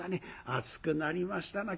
「暑くなりましたな」。